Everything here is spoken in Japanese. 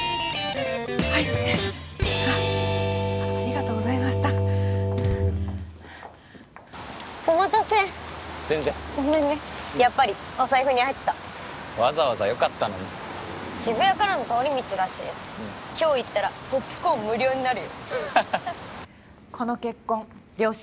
はいありがとうございましたお待たせごめんね全然やっぱりお財布に入ってたわざわざよかったのに渋谷からの通り道だし今日行ったらポップコーン無料になるよこの結婚両親